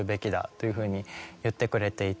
というふうに言ってくれていて。